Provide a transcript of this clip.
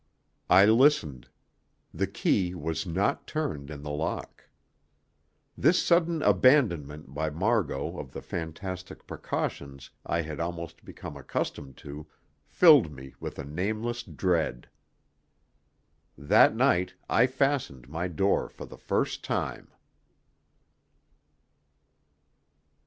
I listened. The key was not turned in the lock. This sudden abandonment by Margot of the fantastic precautions I had almost become accustomed to filled me with a nameless dread. That night I fastened my door for the first time.